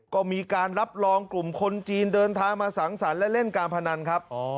ก็มีการรับรองกลุ่มคนจีนเดินทางมาสังสรรค์และเล่นการพนันครับ